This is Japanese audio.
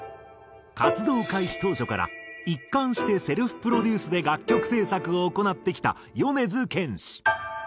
活動開始当初から一貫してセルフプロデュースで楽曲制作を行ってきた米津玄師。